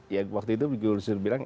ya waktu itu gus dur bilang